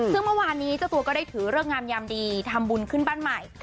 ซึ่งเมื่อวานนี้เจ้าตัวก็ได้ถือเลิกงามยามดีทำบุญขึ้นบ้านใหม่